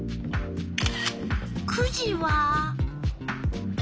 ９時は。